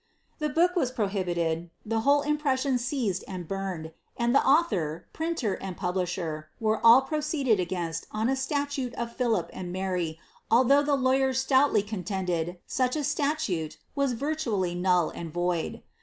The book was prohibited, the whole impression seized and burned, and the author, printer, and publisher, were all proceeded against on a statute of Philip and Mary, although the lawyers stoutly contended such statute was virtually null and void.